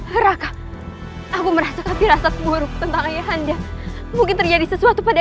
hai raka aku merasa kasihan buruk tentang ayah anda mungkin terjadi sesuatu pada